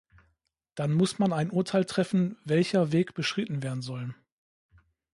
Dann muss man ein Urteil treffen, welcher Weg beschritten werden soll.